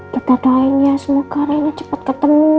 kita doain ya semoga reina cepet ketemu